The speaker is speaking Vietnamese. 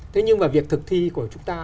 thế nhưng mà việc thực thi của chúng ta